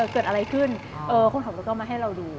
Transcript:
เกิดอะไรขึ้นคนขับรถก็มาให้เราดู